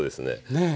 ねえ。